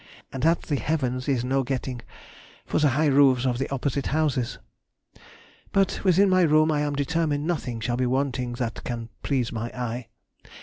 And at the heavens is no getting, for the high roofs of the opposite houses. But within my room I am determined nothing shall be wanting that can please my eye.